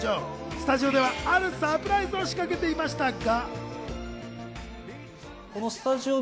スタジオではあるサプライズを仕掛けていましたが。